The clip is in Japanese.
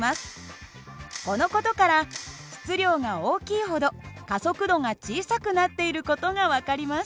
この事から質量が大きいほど加速度が小さくなっている事が分かります。